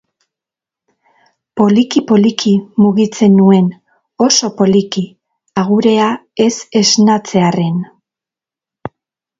Poliki-poliki mugitzen nuen, oso poliki, agurea ez esnatzearren.